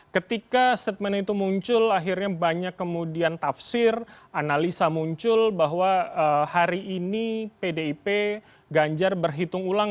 ketika statement itu muncul akhirnya banyak kemudian tafsir analisa muncul bahwa hari ini pdip ganjar berhitung ulang